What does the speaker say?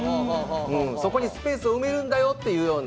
そこにスペースを埋めるんだよっていうような。